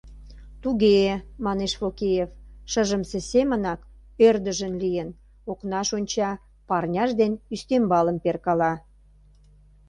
— Туге-е, — манеш Фокеев, шыжымсе семынак, ӧрдыжын лийын, окнаш онча, парняж ден ӱстембалым перкала.